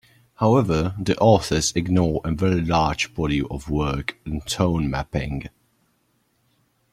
However, the authors ignore a very large body of work on tone mapping.